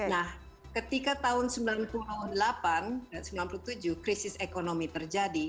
nah ketika tahun sembilan puluh delapan dan sembilan puluh tujuh krisis ekonomi terjadi